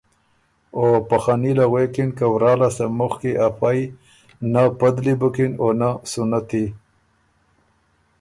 او په خني له غوېکِن که ورا لاسته مُخکی افئ نۀ پدلی بُکِن او نۀ سُنتی،